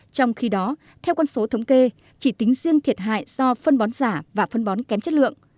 trong khi đó theo con số thống kê chỉ tính riêng thiệt hại do phân bón giả và phân bón kém chất lượng